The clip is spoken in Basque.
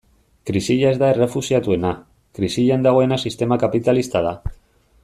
Krisia ez da errefuxiatuena, krisian dagoena sistema kapitalista da.